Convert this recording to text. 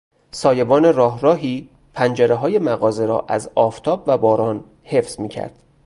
سایبان راه راهی پنجرههای مغازه را از آفتاب و باران حفظ میکرد.